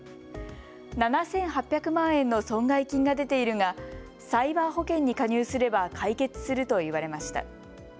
７８００万円の損害金が出ているがサイバー保険に加入すれば解決すると言われました。